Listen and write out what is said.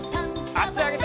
あしあげて。